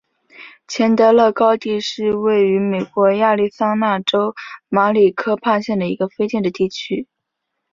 钱德勒高地是位于美国亚利桑那州马里科帕县的一个非建制地区。